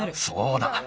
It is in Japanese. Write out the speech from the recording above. そうだ。